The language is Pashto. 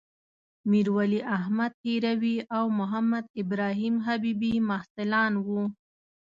میرولی احمد هروي او محمدابراهیم حبيبي محصلان وو.